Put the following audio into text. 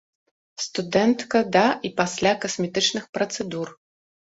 Студэнтка да і пасля касметычных працэдур.